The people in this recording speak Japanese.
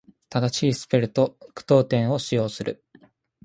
正しいスペルと句読点を使用する。